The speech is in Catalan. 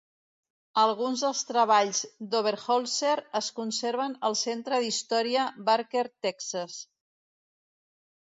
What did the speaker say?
Alguns dels treballs d'Oberholser es conserven al Centre d'Història Barker Texas.